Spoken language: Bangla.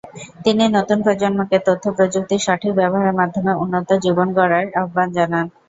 তিনি নতুন প্রজন্মকে তথ্যপ্রযুক্তির সঠিক ব্যবহারের মাধ্যমে উন্নত জীবন গড়ার আহ্বান জানান।